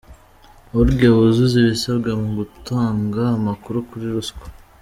org wuzuze ibisabwa mu gutanga amakuru kuri ruswa.